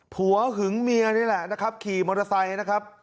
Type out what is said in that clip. หัวหึงเมียคือขี่มอเตอร์ไซค์